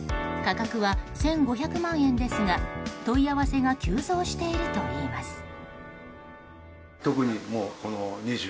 価格は１５００万円ですが問い合わせが急増しているといいます。